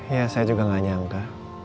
ya saya juga gak nyangka